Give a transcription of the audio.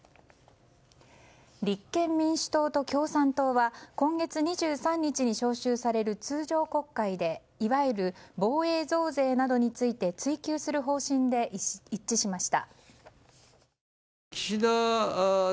立憲民主党と共産党は今月２３日に召集される通常国会でいわゆる防衛増税などについて追及する方針で一致しました。